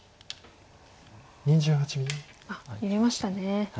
あっ入れましたね。